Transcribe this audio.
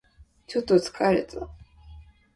ちょっと疲れた